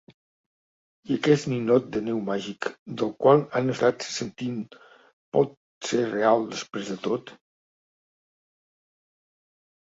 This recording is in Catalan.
I aquest ninot de neu màgic del qual han estat sentint pot ser real després de tot?